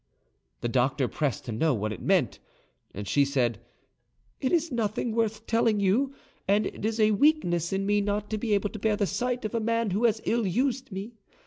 The doctor pressed to know what it meant, and she said, "It is nothing worth telling you, and it is a weakness in me not to be able to bear the sight of a man who has ill used me.